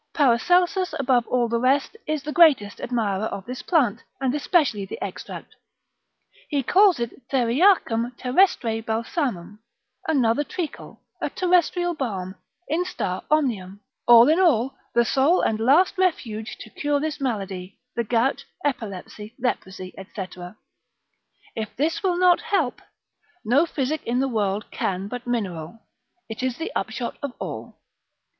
Paracelsus, above all the rest, is the greatest admirer of this plant; and especially the extract, he calls it Theriacum, terrestre Balsamum, another treacle, a terrestrial balm, instar omnium, all in all, the sole and last refuge to cure this malady, the gout, epilepsy, leprosy, &c. If this will not help, no physic in the world can but mineral, it is the upshot of all.